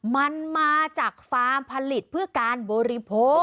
มันมาจากฟาร์มผลิตเพื่อการบริโภค